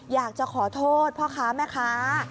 อยากจะขอโทษพ่อค้าแม่ค้า